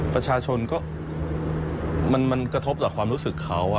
ประชาชนก็มันกระทบต่อความรู้สึกเขา